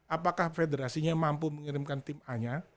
apakah federasinya mampu mengirimkan tim a nya